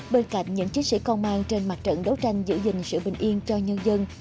bên cạnh những chiến sĩ công an trên mặt trận đấu tranh giữ gìn sự bình yên cho nhân dân